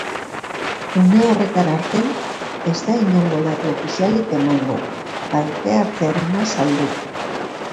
Une horretara arte ez da inongo datu ofizialik emango, parte-hartzearena salbu.